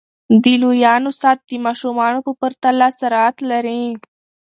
د لویانو ساعت د ماشومانو په پرتله سرعت لري.